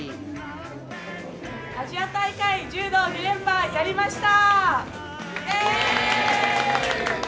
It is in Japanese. アジア大会柔道２連覇、やりました！